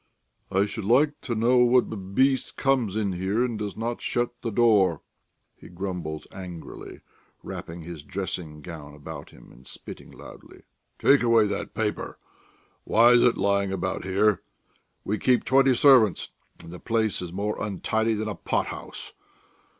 "I should like to know what b b beast comes in here and does not shut the door!" he grumbles angrily, wrapping his dressing gown about him and spitting loudly. "Take away that paper! Why is it lying about here? We keep twenty servants, and the place is more untidy than a pot house.